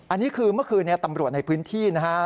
อันนี้คือเมื่อคืนนี้ตำรวจในพื้นที่นะฮะ